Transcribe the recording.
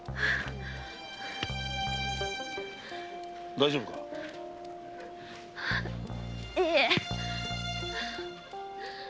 ・大丈夫か？いえ。